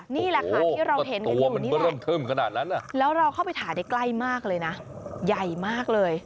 นี่แหละค่ะที่เราเห็นอยู่นี่แหละแล้วเราเข้าไปถ่ายได้ใกล้มากเลยนะใหญ่มากเลย